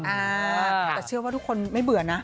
แต่เชื่อว่าทุกคนไม่เบื่อนะ